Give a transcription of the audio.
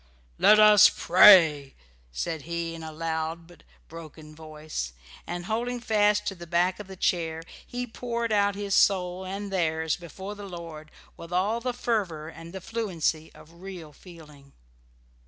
"Let us pray!" said he, in a loud but broken voice; and holding fast to the back of the chair, he poured out his soul and theirs before the Lord with all the fervour and the fluency of real feeling.